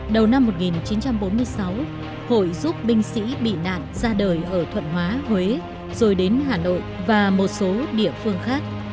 đầu năm một nghìn chín trăm bốn mươi sáu hội giúp binh sĩ bị nạn ra đời ở thuận hóa huế rồi đến hà nội và một số địa phương khác